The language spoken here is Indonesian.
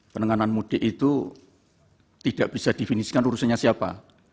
penanganan mudik itu tidak bisa definisikan urusannya siapa